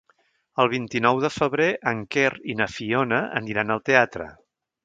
El vint-i-nou de febrer en Quer i na Fiona aniran al teatre.